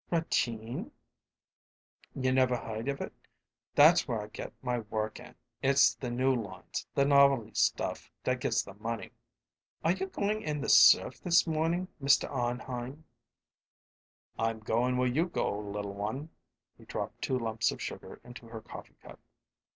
"Ratine?" "You never heard of it? That's where I get my work in it's the new lines, the novelty stuff, that gets the money." "Are you goin' in the surf this morning, Mr. Arnheim?" "I'm goin' where you go, little one." He dropped two lumps of sugar into her coffee cup.